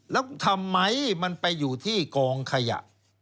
แล้วทำไมมันไปอยู่ที่กองขยะ